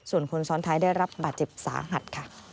ส่วนคนซ้อนท้ายได้รับบาดเจ็บสาหัสค่ะ